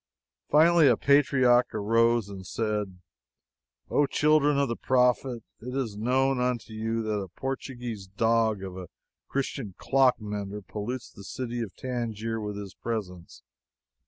Finally, a patriarch arose and said: "Oh, children of the Prophet, it is known unto you that a Portuguee dog of a Christian clock mender pollutes the city of Tangier with his presence.